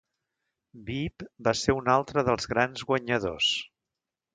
Veep va ser un altre dels grans guanyadors.